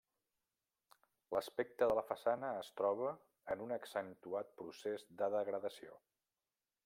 L'aspecte de la façana es troba en un accentuat procés de degradació.